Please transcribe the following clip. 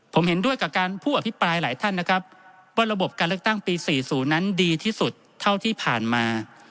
ผมเห็นด้วยกับการผู้อภิปรายหลายท่านนะครับว่าระบบการเลือกตั้งปี๔๐นั้นดีที่สุดเท่าที่ผ่านมา